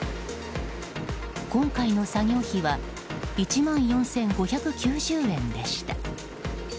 今回の作業費は１万４５９０円でした。